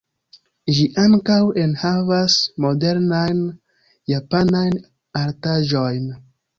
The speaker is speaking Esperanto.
Ĝi ankaŭ enhavas modernajn japanajn artaĵojn.